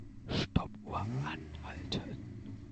Stoppuhr anhalten.